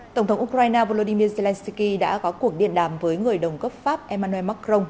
tổng thống ukraine volodymyr zelensky đã có cuộc điện đàm với người đồng cấp pháp emmanuel macron